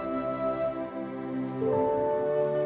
pesek air papi